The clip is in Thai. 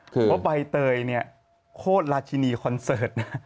ว่าวัยเตยเนี่ยโคตรราชินีคอนเสิร์ต